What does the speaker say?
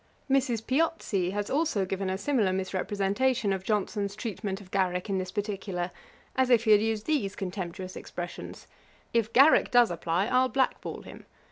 Mrs. Piozzi has also given a similar misrepresentation of Johnson's treatment of Garrick in this particular, as if he had used these contemptuous expressions: 'If Garrick does apply, I'll black ball him.